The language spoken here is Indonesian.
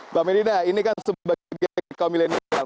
mbak medina ini kan sebagai kaum milenial